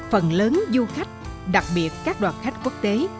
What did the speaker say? phần lớn du khách đặc biệt các đoàn khách quốc tế